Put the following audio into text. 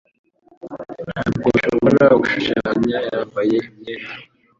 Ntabwo nshobora gushushanya yambaye imyenda.